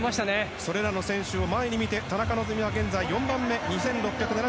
それらの選手を前に見て田中希実は現在４番目。